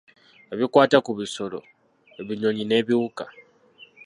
Ebikwata ku bisolo, ebinyonyi n'ebiwuka.